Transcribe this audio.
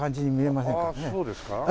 そうですか？